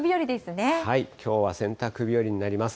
きょうは洗濯日和になります。